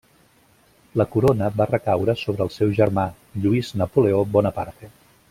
La Corona va recaure sobre el seu germà, Lluís Napoleó Bonaparte.